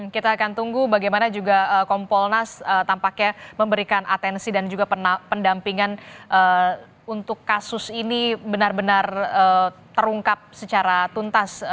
kita akan tunggu bagaimana juga kompolnas tampaknya memberikan atensi dan juga pendampingan untuk kasus ini benar benar terungkap secara tuntas